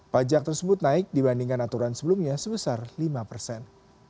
pajak tersebut naik dibandingkan aturan sebelumnya sebesar lima persen